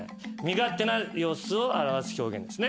身勝手な様子を表す表現ですね。